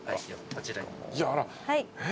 こちらに。